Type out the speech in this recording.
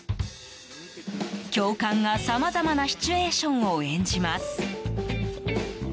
教官が、さまざまなシチュエーションを演じます。